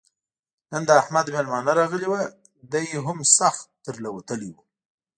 نن د احمد مېلمانه راغلي ول؛ دی هم سخت تر له وتلی وو.